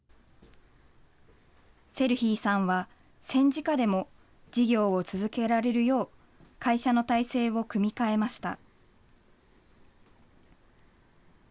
セルヒーさんは、戦時下でも事業を続けられるよう、会社の体制を組み替えました。